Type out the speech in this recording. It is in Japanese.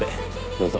どうぞ。